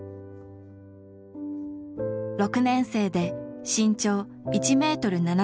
６年生で身長１ｍ７０ｃｍ。